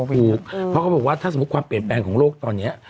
ถูกเพราะเขาบอกว่าถ้าสมมุติความเปลี่ยนแปลงของโลกตอนนี้